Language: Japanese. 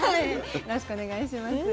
よろしくお願いします。